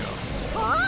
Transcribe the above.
・あっ！